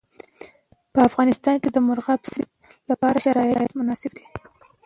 په افغانستان کې د مورغاب سیند لپاره شرایط مناسب دي.